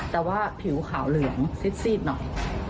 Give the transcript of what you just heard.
แต่ว่าผิวขาวเหลืองซีดหน่อย